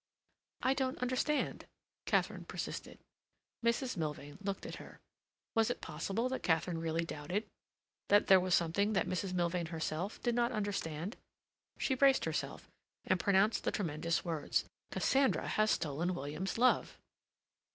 "I don't understand," Katharine persisted. Mrs. Milvain looked at her. Was it possible that Katharine really doubted? That there was something that Mrs. Milvain herself did not understand? She braced herself, and pronounced the tremendous words: "Cassandra has stolen William's love."